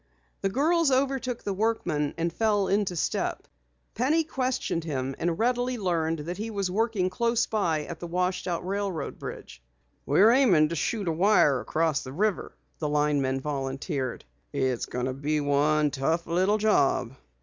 The girls overtook the workman and fell into step. Penny questioned him and readily learned that he was working close by at the washed out railroad bridge. "We're aiming to shoot a wire across the river," the man volunteered. "It's going to be one tough little job."